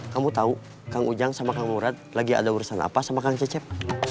kamu tahu kang ujang sama kang murad lagi ada urusan apa sama kang cecep